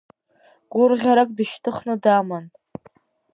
Гәырӷьарак дышьҭыхны даман.